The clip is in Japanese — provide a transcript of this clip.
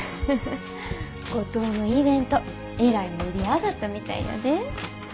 五島のイベントえらい盛り上がったみたいやで。